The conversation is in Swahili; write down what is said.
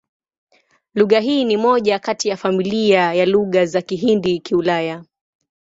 Lugha hii ni moja kati ya familia ya Lugha za Kihindi-Kiulaya.